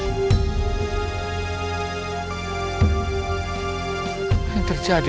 apa yang terjadi